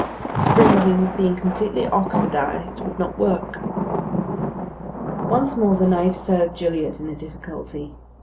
The spring being completely oxidised would not work. Once more the knife served Gilliatt in a difficulty.